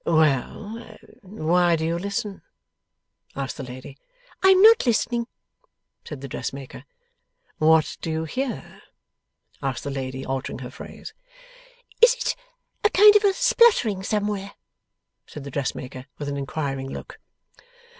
'Well? Why do you listen?' asked the lady. 'I am not listening,' said the dressmaker. 'What do you hear?' asked the lady, altering her phrase. 'Is it a kind of a spluttering somewhere?' said the dressmaker, with an inquiring look.